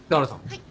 はい。